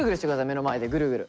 目の前でぐるぐる。